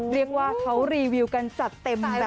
เรียกว่าเขารีวิวกันจัดเต็มเลย